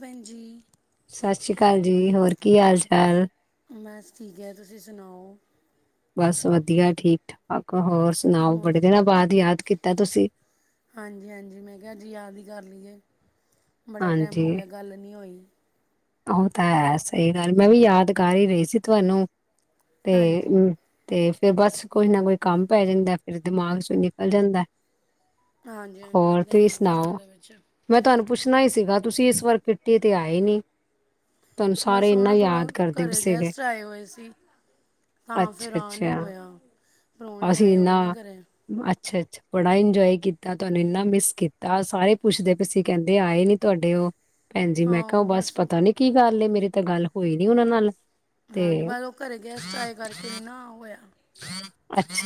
ਭੈਣ ਜੀ ਸਤਿ ਸ੍ਰੀ ਅਕਾਲ ਜੀ ਹੋਰ ਕੀ ਹਾਲ ਚਾਲ। ਬਸ ਠੀਕ ਹੈ ਤੁਸੀਂ ਸੁਣਾਓ। ਬਸ ਵਧੀਆ ਠੀਕ ਠਾਕ ਹੋਰ ਸੁਣਾਓ ਹੋਰ ਬੜੇ ਦਿਨਾਂ ਬਾਅਦ ਯਾਦ ਕੀਤਾ ਤੁਸੀਂ। ਹਾਂਜੀ -ਹਾਂਜੀ ਮੈਂ ਕਿਹਾ ਅੱਜ ਯਾਦ ਕਰ ਲਈਏ ਬੜਾ ਟਾਈਮ ਹਾਂਜੀ, ਹੋ ਗਿਆ ਗੱਲ ਨਹੀਂ ਹੋਈ। ਉਹ ਤਾਂ ਹੈ ਸਹੀ ਗੱਲ ਮੈਂ ਵੀ ਯਾਦ ਕਰ ਰਹੀ ਸੀ ਤੁਹਾਨੂੰ ਤੇ। ਹਾਂਜੀ ਤੇ ਫੇਰ ਬਸ ਕੋਈ ਨ ਕੋਈ ਕੰਮ ਪੈ ਜਾਂਦਾ ਫਿਰ ਦਿਮਾਗ ਚੋਂ ਨਿਕਲ ਜਾਂਦਾ। ਹਾਂਜੀ- ਹਾਂਜੀ ਹੋਰ ਇਦਾਂ ਹੀ ਤੁਸੀਂ ਆ ਸੁਣਾਓ? ਘਰਾਂ ਦੇ ਵਿੱਚ। ਮੈਂ ਤੁਹਾਨੂੰ ਪੁੱਛਣਾ ਹੀ ਸੀਗਾ ਤੁਸੀਂ ਇਸ ਵਾਰ ਕੀਟੀ ਤੇ ਆਏ ਨਹੀਂ। ਬਸ ਉਹ ਨਾ ਥੋੜ੍ਹਾ ਕਰਦੇ ਪਏ ਘਰੇ ਸੀਗੇ, ਗੈਸਟ ਆਏ ਹੋਏ ਸੀ। ਹਾਂ ਫਿਰ ਆ ਨਹੀਂ ਅੱਛਾ-ਅੱਛਾ, ਹੋਇਆ। ਪ੍ਰਾਹੁਣੇ ਅਸੀਂ ਆਏ ਇੰਨਾ ਹੋਏ ਨਾ ਘਰੇ ਅੱਛਾ- ਅੱਛਾ। ਬੜਾ ਇੰਜੋਏ ਕੀਤਾ ਤੁਹਾਨੂੰ ਇੰਨਾ ਮਿਸ ਕੀਤਾ ਸਾਰੇ ਪੁੱਛਦੇ ਪੇ ਸੀ ਕਹਿੰਦੇ ਆਏ ਨੀ ਤੁਹਾਡੇ ਉਹ। ਭੈਣਜੀ ਮੈਂ ਕਿਹਾ ਉਹ ਬਸ ਪਤਾ ਨੀ ਕੀ ਗੱਲ ਮੇਰੀ ਤਾਂ ਗੱਲ ਹੋਈ ਨੀ ਉਹਨਾਂ ਨਾਲ। ਤੇ ਹਾਂਜੀ ਬਸ ਘਰੇ ਗੈਸਟ ਆਏ ਕਰਕੇ ਆ ਨੀ ਹੋਇਆ। ਅੱਛ।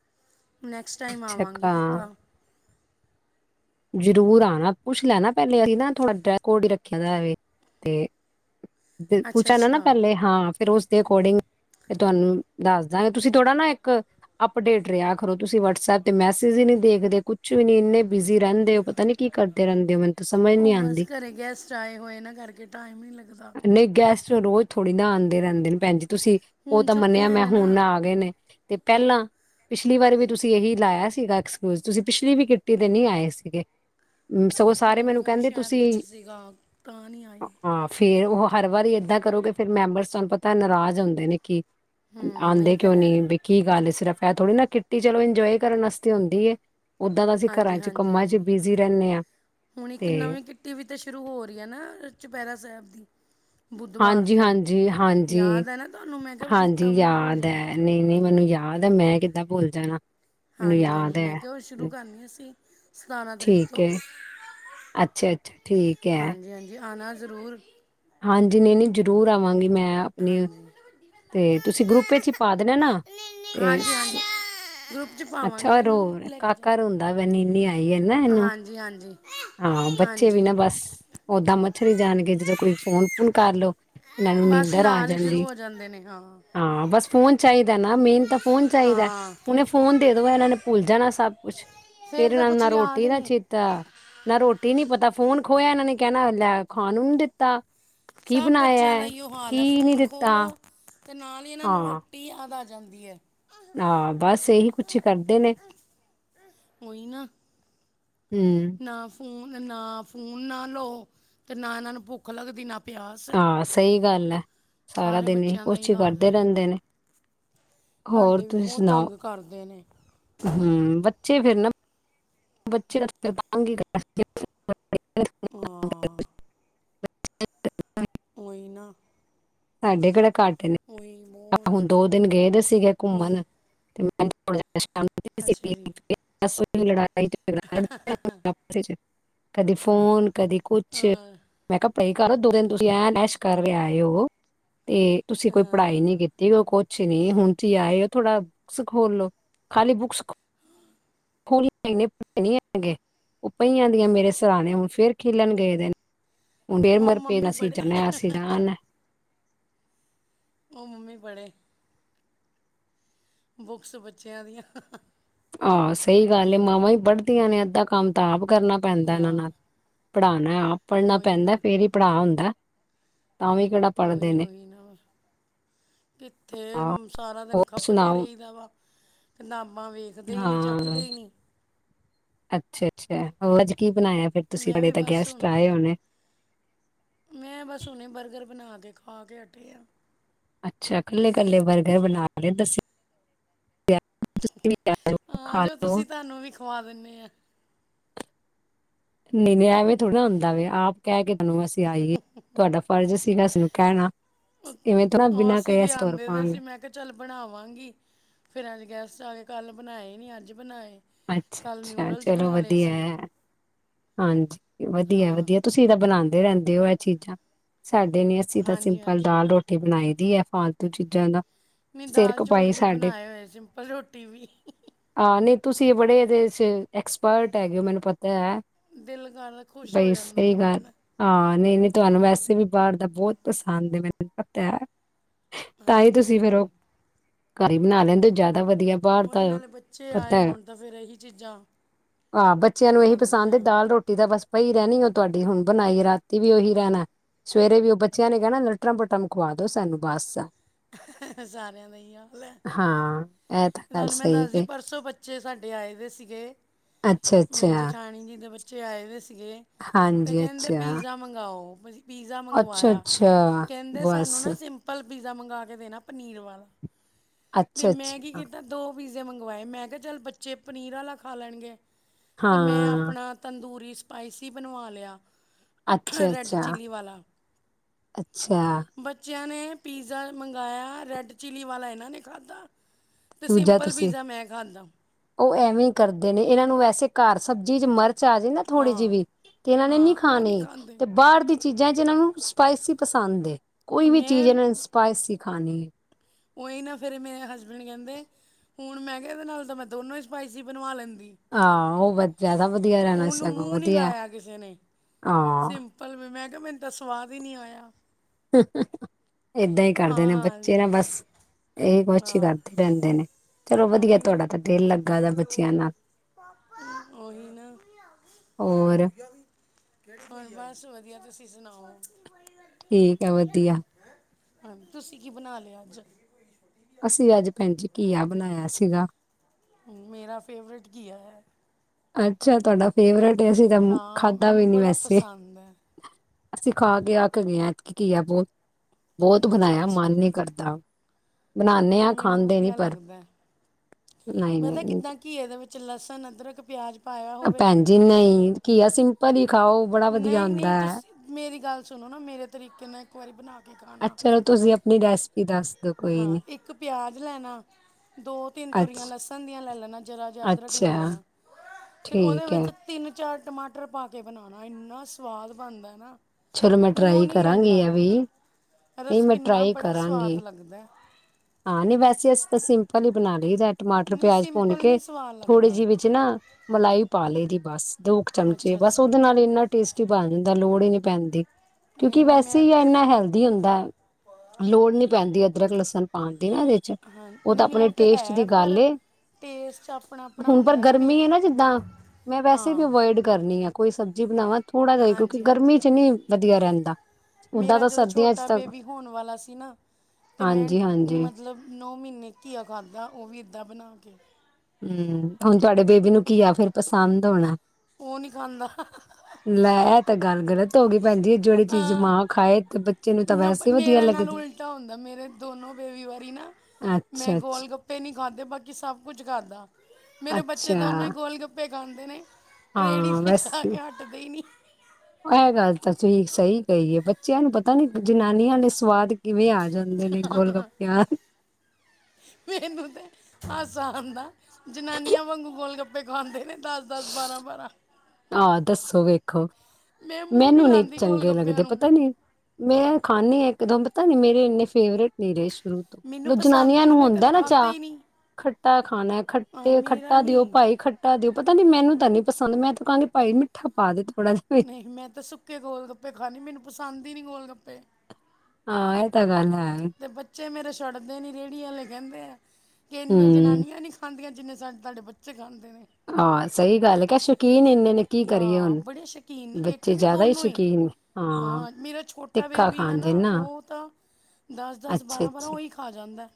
ਨੈਕਸਟ ਟਾਈਮ ਆਵਾਂਗੀ ਪੱਕਾ। ਜ਼ਰੂਰ। ਆ। ਨਾ। ਕੁੱਛ। ਲੈਣਾ। ਪਹਿਲੇ। ਅਸੀਂ। ਨਾ। ਥੋੜਾ। ਡੈ। ਕੋਡ। ਹੀ। ਰੱਖਿਆ। ਦਾਵੇ। ਤੇ। ਅੱਛਾ ਪੱਛਾ। ਨਾ। ਨਾ। ਅੱਛਾ ਪਹਿਲੇ। ਹਾਂ। ਫੇਿਰ। ਉਸਦੇ। ਅਕੋਰਡਿੰਗ। ਤੇ ਤੁਹਾਨੂੰ ਦੱਸ ਦਾਂਗੇ ਤੁਸੀਂ ਥੋੜਾ ਨਾ ਇੱਕ ਅਪਡੇਟ ਰਿਹਾ ਕਰੋ ਤੁਸੀਂ ਵਸਐਪ। ਤੇ ਮੈਸੇਜ ਹੀ ਨੀ ਦੇਖਦੇ ਕੁੱਛ ਵੀ ਨੀ ਇੰਨੇ ਬਿਜ਼ੀ। ਰਹਿੰਦੇ ਹੋ ਪਤਾ ਨੀ ਕੀ ਕਰਦੇ ਰਹਿੰਦੇ ਹੋ ਮੈਨੂੰ ਤਾਂ ਸਮਝ ਨੀ ਉਹ ਬਸ ਆਂਦੀ। ਘਰੇ ਗੈਸਟ ਆਏ ਹੋਏ ਨਾ ਕਰਕੇ ਟਾਈਮ ਨਹੀਂ ਲੱਗਦਾ ਨਹੀਂ ਗੈਸਟ ਰੋਜ਼ ਥੋੜ੍ਹੀ ਨਾ ਆਂਦੇ ਰਹਿੰਦੇ ਨੇ ਭੈਣ ਜੀ ਤੁਸੀਂ। ਉਹ ਹੁਣ ਤਾਂ ਮੰਨਿਆ ਛੁੱਟੀਆਂ ਮੈਂ ਨੇ ਹੁਣ ਨਾ ਆ ਗਏ ਨੇ। ਤੇ ਪਹਿਲਾਂ ਪਿਛਲੀ ਵਾਰ ਵੀ ਤੁਸੀਂ ਇਹੀ ਲਾਇਆ ਸੀਗਾ ਐਕਸਕਿਊਜ ਤੁਸੀਂ ਪਿਛਲੀ ਵੀ ਕਿੱਟੀ ਤੇ ਨਹੀਂ ਆਏ ਸੀ। ਸੀਗੇ ਸਗੋਂ ਸਾਰੇ ਮੈਨੂੰ ਉਦੋਂ ਵੀ ਕਹਿੰਦੇ ਸ਼ਾਇਦ ਕੁਛ ਤੁਸੀਂ। ਸੀਗਾ ਤਾਂ ਨਹੀਂ ਆਈ। ਹਾਂ ਫੇਰ ਉਹ ਹਰ ਵਾਰੀ ਏਦਾਂ ਕਰੋਗੇ ਫਿਰ ਮੈਂਬਰਸ ਤੁਹਾਨੂੰ ਪਤਾ ਨਾਰਾਜ਼ ਹੁੰਦੇ ਨੇ ਕੀ। ਹੂੰ ਇਹ ਆਂਦੇ ਤਾਂ ਕਿਉਂ ਹੈ ਨੀ। ਕੀ ਗੱਲ ਏ ਸਿਰਫ ਇਹ ਥੋੜ੍ਹੀ ਨਾ ਕਿੱਟੀ ਚਲੋ ਇੰਜੋਏ ਕਰਨ ਵਾਸਤੇ ਹੁੰਦੀ ਹੈ ਓਦਾਂ ਦਾ ਅਸੀਂ ਹਾਂਜੀ ਘਰਾਂ ਚ ਹਾਂਜੀ ਕੰਮਾਂ ਚ ਹਾਂਜੀ ਬਿਜ਼ੀ ਰਹਿੰਦੇ ਹਾਂ ਤੇ ਟੀ ਵੀ ਤੇ ਸ਼ੁਰੂ ਹੋ ਰਹੀ ਹੈ ਨਾ ਚੁਪਹਿਰਾ ਸਾਹਿਬ ਦੀ ਬੁੱਧਵਾਰ ਹਾਂਜੀ ਤੋਂ ਹਾਂਜੀ ਹਾਂਜੀ ਯਾਦ ਹੈ ਨਾ ਤੁਹਾਨੂੰ ਮੈਂ ਕਿਹਾ ਹਾਂਜੀ ਚੇਤਾ ਨਾ ਭੁੱਲ ਯਾਦ ਜਾਏ। ਹੈ ਨਹੀਂ ਨਹੀਂ ਮੈਨੂੰ ਯਾਦ ਹੈ ਮੈਂ ਕਿੱਦਾਂ ਭੁੱਲ ਜਾਣਾ। ਮੈਨੂੰ ਹਾਂਜੀ ਯਾਦ ਹਾਂਜੀ ਹੈ ਮੈਂ ਕਿਹਾ ਸ਼ੁਰੂ ਹਮ, ਕਰਨੀ ਸੀਂ। ਸਤਾਰਾਂ ਤਰੀਕ ਠੀਕ ਤੋਂ ਹੈ ਅੱਛਾ ਅੱਛਾ ਠੀਕ ਹੈ ਹਾਂਜੀ ਹਾਂਜੀ ਆਣਾ ਜ਼ਰੂਰ। ਹਾਂਜੀ ਨਹੀਂ ਨਹੀਂ ਜ਼ਰੂਰ ਆਵਾਂਗੀ ਮੈਂ। ਆਪਣੀ ਹਾਂਜੀ ਤੇ ਤੁਸੀਂ ਗਰੁੱਪ ਵਿੱਚ ਹੀ ਪਾ ਦੇਣੇ ਨਾ ਤੇ ਹਾਂਜੀ ਹਾਂਜੀ ਗਰੁੱਪ 'ਚ ਪਾਵਾਂਗੇ ਅੱਛਾ ਇਹਨੂੰ ਹੋਰ ਲੈ ਕੇ ਜਾ ਕਾਕਾ ਰੋਂਦਾ ਪਿਆ ਨੀਨੀ ਆਈ ਹੈ ਈ ਨਾ ਇਹਨੂੰ ਹਾਂਜੀ ਹਾਂਜੀ ਹਾਂ ਬੱਚੇ ਵੀ ਹਾਂਜੀ ਨਾ ਬਸ ਓਦਾਂ ਮੱਛਰੀ ਜਾਣਗੇ ਜਦੋਂ ਕੋਈ ਫੋਨ ਫੋਨ ਕਰ ਲੋੋ ਇਹਨਾਂ ਨੂੰ ਬਸ ਨੀਂਦਰ ਆ ਨਾਲ ਹੀ ਸ਼ੁਰੂ ਜਾਂਦੀ। ਹੋ ਜਾਂਦੇ ਨੇ ਹਾਂ ਹਾਂ ਬਸ ਫੋਨ ਚਾਹੀਦਾ ਨਾ ਮੇਨ ਤਾਂ ਫੋਨ ਚਾਹੀਦਾ ਹਾਂ ਹੁਨੇ ਫੋਨ ਦੇ ਦੋ ਇਹਨਾਂ ਨੇ ਭੁੱਲ ਜਾਣਾ ਸਭ ਕੁਛ ਫੇਰ ਤਾਂ ਇਹਨਾਂ ਨੂੰ ਕੁਛ ਨਾ ਯਾਦ ਰੋਟੀ ਹੀ ਨਾ ਨਹੀਂ ਚੇਤੀ ਤਾਂ ਨਾ ਰੋਟੀ ਨੀ ਪਤਾ ਫੋਨ ਖੋਇਆ ਇਹਨਾਂ ਨੇ ਕਹਿਣਾ ਲੈ ਖਾਣ ਨੂੰ ਨੀ ਦਿੱਤਾ। ਕੀ ਸਭ ਬਣਾਇਆ ਬੱਚਿਆਂ ਦਾ ਹੈ, ਉਹੀ ਓ ਹਾਲ ਹੈ ਕੀ ਨੀ ਫ਼ੋਨ ਦਿੱਤਾ ਖੋਲ੍ਹੋ ਤੇ ਨਾਲ ਹੀ ਇਹਨਾਂ ਨੂੰ ਹਾਂ ਰੋਟੀ ਯਾਦ ਆ ਜਾਂਦੀ ਹੈ। ਹਾਂ ਬਸ ਇਹੀ ਕੁਛ ਕਰਦੇ ਨੇ। ਉਹੀ ਨਾ ਹਮ। ਨਾ ਫੋਨ ਨਾ ਫੋਨ ਨਾ ਲਓ ਤੇ ਨਾ ਇਹਨਾਂ ਨੂੰ ਭੁੱਖ ਲੱਗਦੀ ਨਾ ਪਿਆਸ ਹਾਂ ਸਹੀ ਗੱਲ ਹੈ ਸਾਰਾ ਸਾਰੇ ਦਿਨ ਬੱਚਿਆਂ ਦਾ ਕੁਛ ਇਹੀ ਹੀ ਹਾਲ ਕਰਦੇ ਹੈ। ਰਹਿੰਦੇ ਨੇ ਹੋਰ ਸਾਡੇ ਵੀ ਬਹੁਤ ਤੰਗ ਕਰਦੇ ਨੇ ਹੂੰਮ ਬੱਚੇ ਫੇਿਰ ਨਾ ਵੱਚ ਰ। [unintelligible] ਹਾਂ। ਉਹੀ ਨਾ। ਸਾਡੇ ਕਿਹੜਾ ਘੱਟ ਨੇ ਉਹੀ ਆ ਬਹੁਤ ਹੁਣ ਦੋ ਦਿਨ ਗਏ ਦੇ ਸੀਗੇ ਉਹੀ ਘੁੰਮਣ। ਲੜਾਈ। [unintelligible] ਹਾ, ਲੜਦੇ ਹਾ ਰਹਿੰਦੇ ਕਦੀ ਫੋਨ ਕਦੀ ਕੁਛ ਅਹ, ਮੈਂ ਕਿਹਾ ਪਏ ਕਰੋ ਦੋ ਦਿਨ ਤੁਸੀਂ ਐਨ ਐਸ਼ ਕਰਕੇ ਆਏ ਹੋ ਤੇ ਤੁਸੀਂ ਕੋਈ ਪੜ੍ਹਾਈ ਨਹੀਂ ਅਹ, ਕੀਤੀ ਕੋਈ ਕੁਛ ਅੱਛ ਨੀ ਹੁਣ ਤੁਸੀਂ ਆਏ ਹੋ। ਥੋੜਾ ਬੁੱਕਸ ਖੋਲ ਲੋ ਖਾਲੀ ਬੁੱਕਸ ਖੋਲੀਆਂ ਈ ਨੇ ਪੜ੍ਹੇ ਨੀ ਹੈਗੇ। ਉਹ ਪਈਆਂ ਦੀਆਂ ਮੇਰੇ ਸਰਾਣੇ ਹੁਣ ਫੇਰ। ਖੇਲਣ ਗਏ ਦੇ ਨੇ ਹੁਣ ਡੇਰ ਉਹ ਮਰ ਪੇ ਨ ਮੰਮੀ ਅਸੀ ਪੜ੍ਹੇ ਜਾਣਾ ਅਸੀ ਜਾਣਾ। ਉਹ ਮੰਮੀ ਪੜ੍ਹੇ। ਬੁੱਕਸ ਬੱਚਿਆਂ ਦੀਆਂ। ਆਹੋ ਸਹੀ ਗੱਲ ਏ ਮਾਵਾਂ ਹੀ ਪੜਦੀਆਂ ਨੇ ਅੱਧਾ ਕੰਮ ਤਾਂ ਆਪ ਕਰਨਾ ਪੈਂਦਾ ਇਹਨਾਂ ਹਾਂ ਨਾਲ ਪੜ੍ਹਾਉਣਾ ਆਪ ਪੜ੍ਹਨਾ ਉਹੀ ਪੈਂਦਾ ਨਾ ਫੇਰ ਹੀ ਪੜ੍ਹਾ ਹੁੰਦਾ ਤਾਂ ਵੀ ਭਾਵੇਂ ਉਹੀ ਉਹੀ ਨਾ ਹੋਰ ਕਿਥੇ ਹਾਂ ਸਾਰਾ ਦਿਨ ਹੋਰ ਖਪਦੇ ਸੁਣਾਓ ਰਹੀਦਾ ਵਾ ਕਿਤਾਬਾਂ ਵੇਖ ਕੇ ਵੇਖਦੇ ਹੀ ਨਹੀਂ ਹਾਂ ਚੱਕਦੇ ਹੀ ਨਹੀਂ। ਅੱਛਾ ਅੱਛਾ ਅਜ ਕੀ ਬਣਾਇਆ ਫਿਰ ਤੁਸੀਂ ਮੈਂ ਬੜੇ ਵੀ ਤਾਂ ਬਸ ਗੈਸਟ ਹੁਣ ਆਏ ਹੋਣੇ। ਮੈਂ ਬਸ ਹੁਨੇ ਬਰਗਰ ਬਣਾ ਕੇ ਖਾ ਕੇ ਹਟੇ ਆ। ਅੱਛਾ ਇਕੱਲੇ ਇਕੱਲੇ ਬਰਗਰ ਬਣਾ ਲਏ ਤੁਸੀਂ। ਵੀ ਆ ਜਾਓ ਆ ਖਾ ਜੋ ਲਓ ਤੁਸੀਂ ਤੁਹਾਨੂੰ ਵੀ ਖਵਾ ਦਿੰਦੇ ਆ। ਨਹੀਂ ਨਹੀਂ ਐਵੇਂ ਥੋੜੀ ਨਾ ਹੁੰਦਾ ਵੇ ਆਪ ਕਹਿ ਕੇ ਬਣਵਾਸੀਂ। ਆਈਏ ਤੁਹਾਡਾ ਫਰਜ਼ ਸੀਗਾ ਸਾਨੂੰ ਕਹਿਣਾ ਇਵੇਂ ਥੋੜਾ ਉਹ ਬਿਨਾਂ ਅਸੀਂ ਕਹੇ ਅਸੀ ਤੁਰ ਲਿਆਂਦੇ ਦੇ ਪਾਂਗੇ। ਸੀ ਮੈਂ ਕਿਹਾ ਚੱਲ ਬਣਾਵਾਂਗੀ ਫਿਰ ਅੱਜ ਗੈਸਟ ਆ ਕੇ ਕੱਲ੍ਹ ਬਣਾਏ ਨਹੀਂ ਅੱਜ ਬਣਾਏ। ਅੱਛਾ ਕੱਲ੍ਹ ਅੱਛਾ ਨਿਊਡਲਸ ਚਲੋ ਬਣਾ ਲਏ ਵਧੀਆ ਸੀ ਹੈ ਹਾਂਜੀ ਵਧੀਆ ਹਾਂ ਵਧੀਆ ਤੁਸੀਂ ਤਾਂ ਬਣਾਉਂਦੇ ਰਹਿੰਦੇ ਹੋ ਇਹ ਚੀਜ਼ਾਂ ਸਾਡੇ ਨੀ ਅਸੀਂ ਤਾਂ ਹਾਂਜੀ ਸਿੰਪਲ ਹਾਂਜੀ ਦਾਲ ਰੋਟੀ ਤੇ ਬਣਾਈ ਦੀ ਹੈ ਫਾਲਤੂ ਚੀਜ਼ਾਂ ਦਾ ਮੈ ਸਿਰ ਦਾਲ ਚੌਲ ਖਪਾਈ ਵੀ ਸਾਡੇ ਬਣਾਏ ਹੋਏ ਸਿੰਪਲ ਰੋਟੀ ਵੀ ਹਾਂ ਨਹੀਂ ਤੁਸੀਂ ਬੜੇ ਇਹਦੇ ਚ ਐਕਸਪਰਟ ਹੈਗੇ ਹੋ ਮੈਨੂੰ ਪਤਾ ਹੈ। ਦਿਲ ਕਰ ਰਿਹਾ ਖੁਸ਼ ਹੋ ਬਈ ਜਾਂਦਾ ਸਹੀ ਨਾ ਗੱਲ ਮਨ ਹਾਂ ਨਹੀਂ ਨਹੀਂ ਤੁਹਾਨੂੰ ਵੈਸੇ ਵੀ ਬਾਹਰ ਦਾ ਬਹੁਤ ਪਸੰਦ ਹੈ ਮੈਨੂੰ ਪਤਾ। ਤਾਈ ਹਾਂਜੀ ਤੁਸੀਂ ਫਿਰ ਉਹ ਹਾਂਜੀ ਘਰ ਈ ਬਣਾ ਲੈਂਦੇ ਹੋ ਜ਼ਿਆਦਾ ਵਧੀਆ। ਬਾਰ ਤਾ ਉਹੀ ਨਾਲੇ ਬੱਚੇ ਆਏ ਪਤਾ ਗ। ਹੋਣ ਤਾਂ ਫਿਰ ਇਹੀ ਚੀਜ਼ਾਂ। ਆਹ ਬੱਚਿਆਂ ਨੂੰ ਇਹੀ ਪਸੰਦ ਹੈ ਲੱਗਦੀਆਂ ਦਾਲ ਰੋਟੀ ਦਾ ਬਸ। ਪਈ ਰਹਿਣੀ ਉਹ ਤੁਹਾਡੀ ਹੁਣ ਬਣਾਈ ਰਾਤੀ ਵੀ ਉਹੀ ਰਹਿਣਾ ਸਵੇਰੇ ਵੀ ਉਹ ਬੱਚਿਆਂ ਨੇ ਕਹਿਣਾ ਲਟਰਮ ਪੁਟਰਮ ਖਵਾ ਦੋ ਸਾਨੂੰ ਬੱਸ ਆ ਸਾਰਿਆਂ ਦਾ ਹੀ ਹਾਲ ਹੈ ਹਾ ਤੁਹਾਨੂੰ ਮੈਂ ਦੱਸ ਦੀ ਪਰਸੋਂ ਬੱਚੇ ਸਾਡੇ ਆਏ ਹੋਏ ਸੀਗੇ ਅੱਛਾ ਮੇਰੀ ਅੱਛਾ ਜਠਾਣੀ ਜੀ ਦੇ ਬੱਚੇ ਆਏ ਹੋਏ ਸੀਗੇ ਤੇ ਹਾਂਜੀ ਕਹਿੰਦੇ ਅੱਛਾ ਪੀਜ਼ਾ ਮੰਗਓ ਪੀਜ਼ਾ ਅੱਛਾ ਮੰਗਵਾਇਆ ਅੱਛਾ ਕਹਿੰਦੇ ਸਾਨੂੰ ਬਸ ਨਾ ਸਿੰਪਲ ਪੀਜ਼ਾ ਮੰਗਵਾ ਕੇ ਦੇਣਾ ਪਨੀਰ ਵਾਲਾ ਅਤੇ ਅੱਛਾ ਮੈਂ ਅੱਛਾ ਕੀ ਕੀਤਾ ਦੋ ਪੀਜ਼ੇ ਮੰਗਵਾਏ ਮੈਂ ਕਿਹਾ ਚੱਲ ਬੱਚੇ ਪਨੀਰ ਵਾਲਾ ਖਾ ਲੈਣਗੇ। ਤੇ ਮੈਂ ਹਾਂ, ਆਪਣਾ ਤੰਦੂਰੀ ਸਪਾਈਸੀ ਬਣਵਾ ਲਿਆ। ਰੈਡ ਅੱਛਾ-ਅੱਛਾ, ਅੱਛਾ ਚਿੱਲੀ ਵਾਲਾ ਅੱਛਾ ਬੱਚਿਆਂ ਨੇ ਪੀਜ਼ਾ ਮੰਗਇਆ ਰੈੱਡ ਚਿੱਲੀ ਵਾਲਾ ਇਹਨਾਂ ਨੇ ਖਾਧਾ ਤੇ ਦੂਜਾ ਸਿੰਪਲ ਤੁਸੀਂ ਪੀਜ਼ਾ ਮੈਂ ਖਾਧਾ ਉਹ ਐਵੇਂ ਹੀ ਕਰਦੇ ਨੇ ਇਹਨਾਂ ਨੂੰ ਵੈਸੇ ਘਰ ਸਬਜ਼ੀ ਚ ਮਰਚ ਮਿਰਚ ਆ ਜ ਨਾ ਥੋੜੀ ਜਿਹੀ ਹਾਂ। ਵੀ ਤੇ ਇਹਨਾਂ ਨੇ ਨੀ ਹਾਂ ਉਹ ਨਹੀਂ ਖਾਣੀ ਖਾਂਦੇ ਤੇ ਬਾਹਰ ਦੀਆਂ ਚੀਜ਼ਾਂ ਜਿਨਾਂ ਨੂੰ ਸਪਾਈਸੀ ਪਸੰਦ ਹੈ ਕੋਈ ਵੀ ਚੀਜ਼ ਮੈਂ ਇਹਨਾਂ ਨੇ ਸਪਾਈਸੀ ਖਾਣੀ ਉਹੀ ਨਾ ਫਿਰ ਮੇਰੇ ਹਸਬੈਂਡ ਕਹਿੰਦੇ ਹੁਣ ਮੈਂ ਕਹਿੰਦੇ ਇਹਦੇ ਨਾਲ ਤਾਂ ਮੈਂ ਦੋਨੋਂ ਹੀ ਸਪਾਈਸੀ ਬਣਵਾ ਲੈਂਦੀ ਹਾਂ ਉਹ ਵਧੀਆ ਵਧੀਆ ਰਹਿਣਾ ਉਹਨੂੰ ਸਗੋਂ ਮੂੰਹ ਨੀ ਲਾਇਆ ਕਿਸੇ ਨੇ ਹਾਂ ਸਿੰਪਲ ਭਲਵੇ ਮੈਂ ਕਿਹਾ ਮੈਨੂੰ ਤਾਂ ਸਵਾਦ ਹੀ ਨਹੀਂ ਆਇਆ ਏਦਾਂ ਹੀ ਹਾਂ ਕਰਦੇ ਨੇ ਬੱਚੇ ਹਾਂ ਨਾ ਬਸ ਇਹੀ ਕੁਛ ਹੀ ਹਾਂ ਕਰਦੇ ਰਹਿੰਦੇ ਨੇ। ਚਲੋ ਵਧੀਆ ਉਹੀ ਤੁਹਾਡਾ ਤਾਂ ਦਿਲ ਲੱਗਾ ਬੱਚਿਆਂ ਨਾਲ। ਉਹ ਹੀ ਨੇ ਹੋਏ ਹੋਰ ਪੂਜਾ ਵੀ ਹੁਰ ਬਸ ਵਧੀਆ ਤੁਸੀਂ ਸੁਣਾਓ। ਠੀਕ ਆ ਵਧੀਆ। ਹਾਂ ਤੁਸੀਂ ਕੀ ਬਣਾ ਲਿਆ ਅੱਜ। ਅਸੀਂ ਅੱਜ ਭੈਣ ਜੀ ਘੀਆ ਬਣਾਇਆ ਸੀਗਾ। ਮੇਰਾ ਫੇਵਰੇਟ ਘੀਆ ਹੈ। ਅੱਛਾ ਤੁਹਾਡਾ ਫੇਵਰੇਟ ਅਸੀਂ ਤਾਂ ਹਾਂ ਖਾਧਾ ਵੀ ਮੈਨੂੰ ਨਹੀਂ ਬੜਾ ਵੈਸੇ ਪਸੰਦ ਹੈ ਅਸੀਂ ਖਾ ਕੇ ਅਕ ਗਏ ਘੀਆ ਬਹੁਤ ਬਹੁਤ ਅੱਛਾ ਬਣਾਇਆ ਮਨ ਅੱਛਾ ਨੀ ਕਰਦਾ। ਬਣਾਨੇ ਆ ਮੈਨੂੰ ਖਾਂਦੇ ਨੀ ਵਧੀਆ ਪਰ ਲੱਗਦਾ ਨਹੀਂ ਪਤਾ ਨਹੀਂ ਕਿੱਦਾਂ। ਘੀਏ ਦੇ ਵਿੱਚ ਲੱਸਣ, ਅਦਰਕ, ਪਿਆਜ ਭੈਣਜੀ ਨਹੀਂ ਘੀਆ ਸਿੰਪਲ ਹੀ ਖਾਓ ਬੜਾ ਵਧੀਆ ਨਹੀਂ ਹੁੰਦਾ ਨਹੀਂ ਹੈ। ਤੁਸੀਂ ਮੇਰੀ ਗੱਲ ਸੁਣੋ ਨਾ ਮੇਰੇ ਤਰੀਕੇ ਨਾਲ ਇੱਕ ਵਾਰੀ ਬਣਾ ਕੇ ਅੱਛਾ ਖਾਣਾ ਚਲੋ ਤੁਸੀਂ ਆਪਣੀ ਰੈਸਪੀ ਦੱਸ ਦੋ ਕੋਈ ਹਾਂ ਨੀ ਇੱਕ ਪਿਆਜ ਲੈਣਾ ਦੋ ਤਿੰਨ ਤੁਰੀਆਂ ਅੱਛ ਲੱਸਣ ਦੀਆਂ ਲੈ ਲੈਣਾ ਜਰਾ ਜਾਂ ਅਦਰਕ ਲੈ ਅੱਛਾ ਲੈਣਾ। ਤੇ ਉਹਦੇ ਠੀਕ ਹੈ। ਵਿੱਚ ਤਿੰਨ ਚਾਰ ਟਮਾਟਰ ਪਾ ਕੇ ਬਣਾਉਣਾ ਇੰਨਾ ਸਵਾਦ ਬਣਦਾ ਨਾ ਚਲੋ ਮੈਂ ਮੂੰਹੋਂ ਟਰਾਈ ਨਹੀਂ ਕਰਾਂਗੀ ਲੈਂਦਾ ਇਹ ਵੀ ਨਹੀਂ ਰਸ ਮੈਂ ਪਿੰਨਾ ਟਰਾਈ ਬੜਾ ਕਰਾਂਗੀ ਸਵਾਦ ਲੱਗਦਾ। ਹਾਂ ਨਹੀਂ ਵੈਸੇ ਅਸੀਂ ਤਾਂ ਸਿੰਪਲ ਹੀ ਬਣਾ ਲਈਏ ਤਾਂ ਟਮਾਟਰ ਨਹੀਂ ਪਿਆਜ ਭੁੰਨ ਸਿੰਪਲ ਕੇ ਨਹੀਂ ਸਵਾਦ ਥੋੜੇ ਲੱਗਦਾ ਜਿਹੇ ਨਾ ਮਲਾਈ ਪਾ ਲਈ ਦੀ ਬਸ ਦੋ ਕੁ ਚਮਚੇ ਅੱਛਾ ਬਸ ਅੱਛਾ ਉਹਦੇ ਨਾਲ ਇੰਨਾ ਟੇਸਟੀ ਬਣ ਜਾਂਦਾ ਲੋੜ ਹੀ ਨਹੀਂ ਪੈਂਦੀ ਕਿਉਂਕਿ ਨਹੀਂ ਨਹੀਂ ਵੈਸੇ ਮੈਂ ਹੀ ਆ ਤੇ ਇੰਨਾ ਹੈਲਦੀ ਹੁੰਦਾ। ਲੋੜ ਨਹੀਂ ਪੈਂਦੀ ਅਦਰਕ ਲੱਸਣ ਪਾਉਣ ਦੀ ਨਾ ਇਹਦੇ ਚ ਹਾਂ ਉਹ ਤਾਂ ਨਹੀਂ ਨਹੀਂ ਆਪਣੇ ਟੇਸਟ ਦੀ ਹੈ ਗੱਲ ਪਰ ਏ। ਟੇਸਟ ਆਪਣਾ ਆਪਣਾ ਹੁਣ ਪਰ ਹੁੰਦਾ ਮੇ ਗਰਮੀ ਹੈ ਨਾ ਜਿੱਦਾਂ ਮੈਂ ਵੈਸੇ ਵੀ ਹਾਂ ਅਵੋਇਡ ਕਰਨੀ ਆ। ਕੋਈ ਸਬਜ਼ੀ ਬਣਾਵਾਂ ਥੋੜ੍ਹਾ ਜਾ ਕਿਉਂਕਿ ਹਾਂਜੀ ਗਰਮੀ ਹਾਂਜੀ ਚ ਨਹੀਂ ਵਧੀਆ ਰਹਿੰਦਾ। ਓਦਾਂ ਮੇਰਾ ਤਾਂ ਜਦੋਂ ਸਰਦੀਆਂ ਚ ਛੋਟਾ ਤਾਂ ਬੇਬੀ ਹੋਣ ਵਾਲਾ ਸੀ ਨਾ ਤੇ ਮੈਂ। ਹਾਂਜੀ ਹਾਂਜੀ ਮਤਲਬ ਨੌ ਮਹੀਨੇ ਘੀਆ ਖਾਧਾ ਉਹ ਵੀ ਇੱਦਾਂ ਬਣਾ ਕੇ ਹਮ ਹੁਣ ਤੁਹਾਡੇ ਬੇਬੀ ਨੂੰ ਘੀਅ ਫਿਰ ਪਸੰਦ ਹੋਣਾ। ਉਹ ਨੀ ਖਾਂਦਾ। ਲੈ ਤਾਂ ਗੱਲ ਗ਼ਲਤ ਹੋ ਗਈ ਭੈਣਜੀ, ਜਿਹੜੀ ਚੀਜ਼ ਹਾਂ ਮਾਂ ਖਾਏ, ਤੇ ਬੱਚੇ ਨੂੰ ਤਾਂ ਨਾ ਪ- ਵੈਸੇ ਵਧੀਆ ਮੇਰੇ ਨਾਲ ਲੱਗਦੀ। ਉਲਟਾ ਹੁੰਦਾ, ਮੇਰੇ ਦੋਨੋ ਬੇਬੀ ਵਾਰੀ ਨਾ ਅੱਛਾ- ਅੱਛਾ। ਨੀ ਖਾਧੇ, ਬਾਕੀ ਸਭ ਕੁਝ ਖਾਧਾ, ਮੇਰੇ ਬੱਚੇ ਦੋਨੋਂ ਹੀ ਅੱਛਾ ਗੋਲ ਗੱਪੇ ਖਾਂਦੇ ਨੇ। ਰੇਹੜੀ ਹਾਂ ਤੇ ਜਾ ਵੈਸੇ ਕੇ ਹੱਟਦੇ ਈ ਨਹੀਂ। ਇਹ ਗੱਲ ਤਾਂ ਤੁਸੀਂ ਸਹੀ ਕਹੀ ਏ, ਬੱਚਿਆਂ ਨੂੰ ਪਤਾ ਨੀ ਜਨਾਨੀਆਂ ਦੇ ਸਵਾਦ ਕਿਵੇਂ ਆ ਜਾਂਦੇ ਨੇ ਗੋਲ ਗੱਪਿਆਂ [unintelligible] ਮੈਨੂੰ ਤੇ ਹਾਸਾ ਆਂਦਾ, ਜਨਾਨੀਆਂ ਵਾਂਗੂ ਗੋਲ ਗੱਪੇ ਖਾਂਦੇ ਨੇ ਦਸ- ਦਸ, ਬਾਰਾਂ ਬਾਰਾਂ। ਆਹ ਦੱਸੋ ਵੇਖੋ, ਮੈਂ ਮੂੰਹ ਨਹੀਂ ਮੈਨੂੰ ਨੀ ਲਾਂਦੀ ਗੋਲ ਚੰਗੇ ਗੱਪਿਆਂ ਲੱਗਦੇ, ਨੂੰ ਪਤਾ ਨੀ ਮੈਂ ਖਾਂਦੀ ਹਾਂ, ਇੱਕ ਦਮ ਪਤਾ ਨੀ ਮੇਰੇ ਇੰਨੇ ਫੇਵਰੇਟ ਨੀ ਰਹੇ ਮੈਨੂੰ ਸ਼ੁਰੂ ਪਸੰਦ ਜਨਾਨੀਆਂ ਹੀ ਨਹੀਂ ਨੂੰ ਮੈਂ ਕਦੀ ਹੁੰਦਾ ਨਾ ਖਾਧੇ ਚਾਅ। ਹੀ ਨਹੀਂ ਖੱਟਾ ਖਾਣਾ, ਹਾਂ, ਖੱਟੇ ਮੇਰਾ ਖੱਟਾ ਦਿਓ ਨਹੀਂ ਭਾਈ, ਖੱ ਟਾ ਦਿਓ, ਪਤਾ ਨੀ ਮੈਨੂੰ ਤਾਂ ਨਹੀਂ ਪਸੰਦ, ਮੈਂ ਤਾਂ ਕਹਾਂਗੀ ਭਾਈ ਮਿੱਠਾ ਪਾ ਦੇ ਥੋੜਾ ਜਿਹਾ। ਨਹੀਂ ਮੈਂ ਤਾਂ ਸੁੱਕੇ ਗੋਲ ਗੱਪੇ ਖਾਣੀ, ਮੈਨੂੰ ਪਸੰਦ ਹੀ ਨਹੀਂ ਗੋਲ ਗੱਪੇ। ਹਾਂ, ਇਹ ਤਾਂ ਗੱਲ ਹੈ। ਤੇ ਬੱਚੇ ਮੇਰੇ ਛੱਡਦੇ ਨਹੀਂ ਰੇਹੜੀ ਆਲੇ ਕਹਿੰਦੇ ਆ, ਕਿ ਇੰਨੇ ਹੂੰ ਜਨਾਨੀਆਂ ਨੀ ਖਾਂਦੀਆਂ, ਜਿੰਨੇ ਸਾਡੇ ਤੁਹਾਡੇ ਬੱਚੇ ਖਾਂਦੇ ਨੇ। ਹਾਂ ਸਹੀ ਗੱਲ ਕਹਿ, ਸ਼ੌਕੀਨ ਇੰਨੇ ਨੇ ਕੀ ਕਰੀਏ ਹਾਂ ਹੁਣ, ਬੜੇ ਸ਼ੌਕੀਨ ਇੱਕ ਬੱਚੇ ਨਹੀਂ ਜ਼ਿਆਦਾ ਹੀ ਦੋਨੋਂ ਸ਼ੌਕੀਨ ਨੇ। ਹਾਂ, ਮੇਰਾ ਛੋਟਾ ਤਿੱਖਾ ਬੇਬੀ ਆ ਖਾਣ ਦੇ ਨਾ। ਉਹ ਤਾਂ ਦਸ- ਦਸ, ਅੱਛਾ ਬਾਰ੍ਹਾਂ- ਬਾਰ੍ਹਾਂ ਅੱਛਾ ਉਹੀ ਖਾ ਜਾਂਦਾ।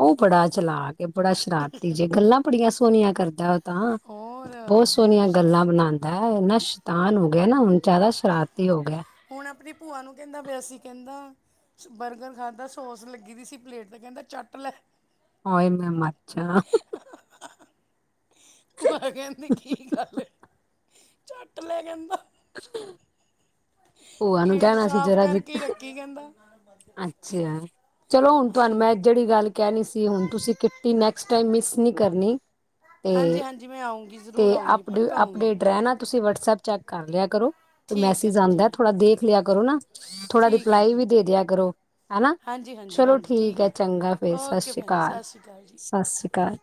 ਉਹ ਬੜਾ ਚਲਾਕ ਏ, ਬੜਾ ਸ਼ਰਾਰਤੀ ਜਾ, ਗੱਲਾਂ ਬੜੀਆਂ ਸੋਹਣੀਆਂ ਕਰਦਾ ਉਹ ਤਾਂ। ਹੋਰ ਬਹੁਤ ਸੋਹਣੀਆਂ ਗੱਲਾਂ ਸ਼ਰਾਰ ਬਣਾਦਾ, ਇੰਨਾ ਸ਼ੈਤਾਨ ਹੋ ਗਿਆ ਨਾ, ਹੁਣ ਜ਼ਿਆਦਾ ਸ਼ਰਾਰਤੀ ਹੋ ਗਿਆ। ਹੁਣ ਆਪਣੀ ਭੂਆ ਨੂੰ ਕਹਿੰਦਾ ਪਿਆ ਸੀ, ਕਹਿੰਦਾ ਬਰਗਰ ਖਾਧਾ, ਸੋਸ ਲੱਗੀ ਦੀ ਸੀ ਪਲੇਟ ਤੇ, ਕਹਿੰਦਾ ਚੱਟ ਲੈ। ਹਾਏ ਮੈਂ ਮਰਜਾ। ਮੈਂ ਕਹਿੰਦੀ ਕੀ ਗੱਲ ਐ, ਚੱਟ ਲੈ ਕਹਿੰਦਾ। [unintelligible] ਭੂਆ ਨੂੰ ਪਲੇਟ ਕਹਿਣਾ ਸੀ ਸਾਫ ਜਰਾ ਜੀ ਕਰਕੇ ਰੱਖੀ ਕਹਿੰਦਾ। ਅੱਛਾ ਚਲੋ ਹੁਣ ਤੁਹਾਨੂੰ ਮੈਂ ਜਿਹੜੀ ਗੱਲ ਕਹਿਣੀ ਸੀ, ਹੁਣ ਤੁਸੀਂ ਕਿੱਟੀ ਨੈਕਸਟ ਟਾਈਮ ਮਿਸ ਨੀ ਕਰਨੀ। ਹਾਂਜੀ ਤੇ- ਹਾਂਜੀ ਮੈਂ ਆਊਂਗੀ ਜ਼ਰੂਰ ਤੇ ਆਊਂਗੀ ਪੱਕਾ ਅਪਡੇਟ- ਆਊਂਗੀ ਅਪਡੇਟ ਰਹਿਣਾ, ਤੁਸੀਂ ਵਟਸਐਪ ਚੈੱਕ ਕਰ ਲਿਆ ਕਰੋ। ਤੇ ਠੀਕ ਹੈ ਮੈਸੇਜ ਜੀ ਆਂਦਾ ਠੀਕ ਥੋੜਾ ਦੇਖ ਲਿਆ ਕਰੋ, ਨਾ ਥੋੜਾ ਠੀਕ ਹੈ ਰਿਪਲਾਈ ਜੀ ਵੀ ਦੇ ਦਿਆ ਕਰੋ। ਹਨਾ ਹਾਂਜੀ ਹਾਂਜੀ ਚਲੋ ਹਾਂਜੀ ਠੀਕ ਆ ਹੈ ਚੰਗਾ ਫਿਰ, ਓਕੇ ਸਸ਼ ਰੀ ਭੈਣ ਜੀ ਕਾਲ, ਸਤਿ ਸ਼੍ਰੀ ਅਕਾਲ ਜੀ ਸਸ ਰੀ ਕਾਲ।